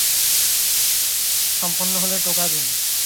নিসার আলি অনেক রাত পর্যন্ত ঘুমুতে পারলেন না।